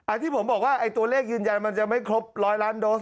อ่ะที่ผมบอกว่าตัวเลขยืนยันมันยังไม่ครบ๑๐๐ล้านโดส